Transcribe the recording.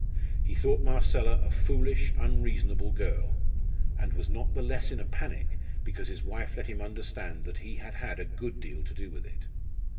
He thought Marcella a foolish, unreasonable girl, and was not the less in a panic because his wife let him understand that he had had a good deal to do with it.